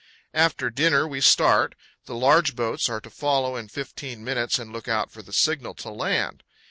After dinner we start; the large boats are to follow in fifteen minutes and look out for the signal to land.